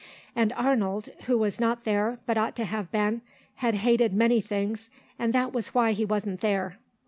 And Arnold, who was not there but ought to have been, had hated many things, and that was why he wasn't there.